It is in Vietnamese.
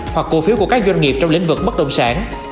hoặc cổ phiếu của các doanh nghiệp trong lĩnh vực bất động sản